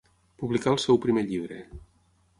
Publicà el seu primer llibre.